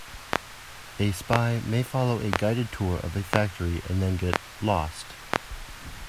A spy may follow a guided tour of a factory and then get "lost".